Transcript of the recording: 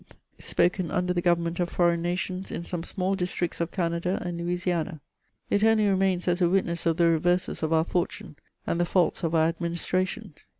spoken und» the government of foreign nations in some small districts of Canada and Louisiana. It only remains as a witness of the reverses of our fortune and the faults of our administra tion.